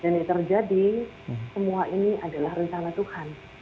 dan yang terjadi semua ini adalah rencana tuhan